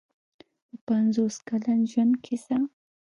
د پنځوس کلن ژوند کیسه.